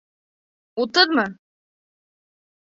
Утыҙмы?